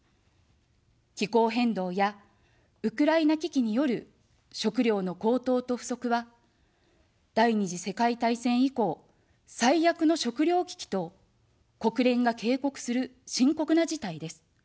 気候変動やウクライナ危機による食糧の高騰と不足は、第二次世界大戦以降、最悪の食糧危機と国連が警告する深刻な事態です。